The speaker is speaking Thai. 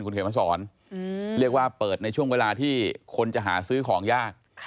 คุณเขมสอนเรียกว่าเปิดในช่วงเวลาที่คนจะหาซื้อของยาก